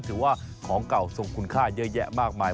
ของเก่าทรงคุณค่าเยอะแยะมากมาย